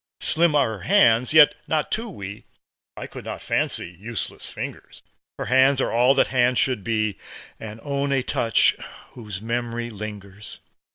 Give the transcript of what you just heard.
Slim are her hands, yet not too wee I could not fancy useless fingers, Her hands are all that hands should be, And own a touch whose memory lingers.